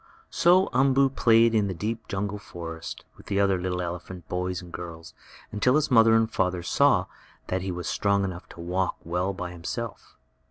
So Umboo played in the deep jungle forest with the other little elephant boys and girls until his mother and father saw that he was strong enough to walk well by himself.